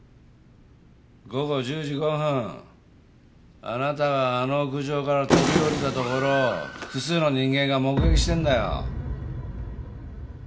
午後１０時５分あなたがあの屋上から飛び降りたところを複数の人間が目撃してんだよ。